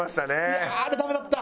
いやあれダメだった。